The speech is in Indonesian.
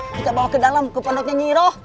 kita bawa ke dalam ke pondoknya nyiro